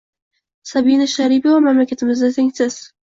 Sabina Sharipova mamlakatimizda tengsiz